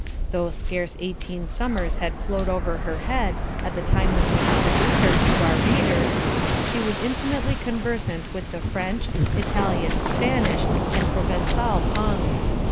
Though scarce eighteen summers had flown over her head at the time when we introduce her to our readers, she was intimately conversant with the French, Italian, Spanish, and Provencal tongues.